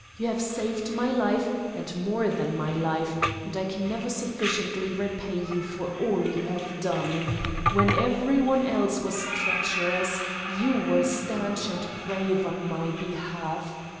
You have saved my life, and more than my life; and I can never sufficiently repay you for all you have done. When every one else was treacherous, you were stanch and brave on my behalf.